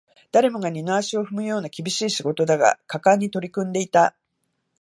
誰もが二の足を踏むような厳しい仕事だが、果敢に取り組んでいた